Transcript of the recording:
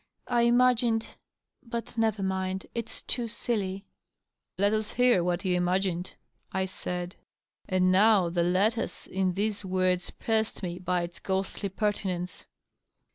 " I imagined but never mind. It's too silly.'' " Let us hear what you imagined," I said. And now the " let w«" in these words pierced me by its ghostly pertinence.